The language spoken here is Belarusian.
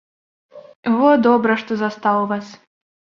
Во добра, што застаў вас!